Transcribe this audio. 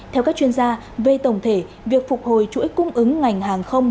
theo các chuyên gia về tổng thể việc phục hồi chuỗi cung ứng ngành hàng không